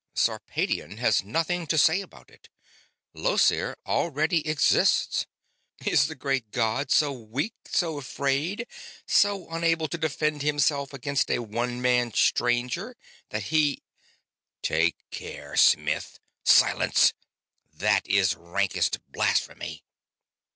"Sarpedion has nothing to say about it. Llosir already exists. Is the great god so weak, so afraid, so unable to defend himself against a one man stranger that he...." "Take care, smith silence! That is rankest blasphemy!"